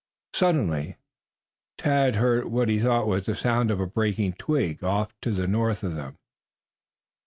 Suddenly Tad heard what he thought was the sound of a breaking twig off to the north of them.